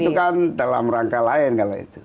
itu kan dalam rangka lain kalau itu